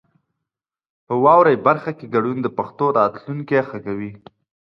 په واورئ برخه کې ګډون د پښتو راتلونکی ښه کوي.